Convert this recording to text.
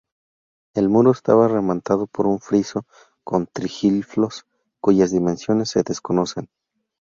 El muro estaba rematado por un friso con triglifos cuyas dimensiones se desconocen.